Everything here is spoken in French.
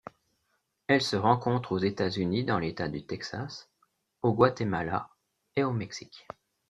Elle se rencontre aux États-Unis dans l'État du Texas, au Guatemala et au Mexique.